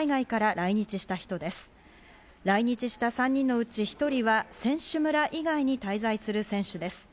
来日した３人のうち１人は選手村以外に滞在する選手です。